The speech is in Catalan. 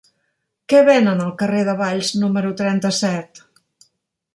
Què venen al carrer de Valls número trenta-set?